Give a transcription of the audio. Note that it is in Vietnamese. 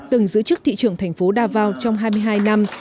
từng giữ chức thị trường thành phố davao trong hai mươi hai năm